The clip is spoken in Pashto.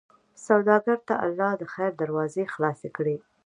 سوالګر ته الله د خیر دروازې خلاصې کړې